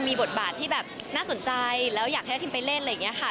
มีบทบาทที่แบบน่าสนใจแล้วอยากให้ทีมไปเล่นอะไรอย่างนี้ค่ะ